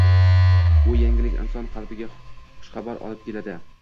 Bu yangilik inson qalbiga xushxabar olib keladi